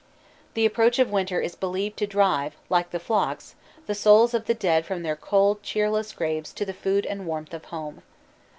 The approach of winter is believed to drive like the flocks, the souls of the dead from their cold cheerless graves to the food and warmth of home.